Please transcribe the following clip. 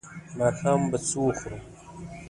ماښام به څه وخورو؟